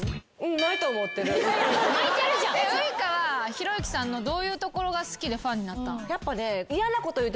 ウイカはひろゆきさんのどういうところが好きでファンになったん？